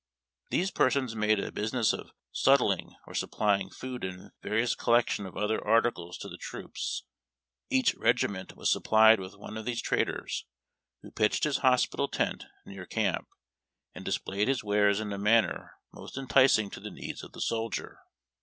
These persons made a business of sut ling, or supplying food and a various collection of other articles to the troops. Each regiment was supplied Avith one of these traders, who pitched his hospital tent near camp, and displayed his wares in a manner most enticing to the needs of the soldier.